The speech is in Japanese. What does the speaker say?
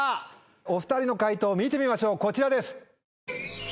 お２人の解答を見てみましょうこちらです。